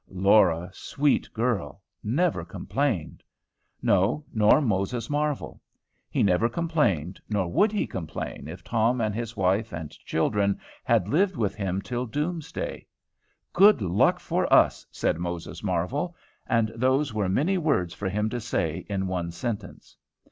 Laura, sweet girl, never complained. No, nor Moses Marvel. He never complained, nor would he complain if Tom and his wife and children had lived with him till doomsday. "Good luck for us," said Moses Marvel, and those were many words for him to say in one sentence.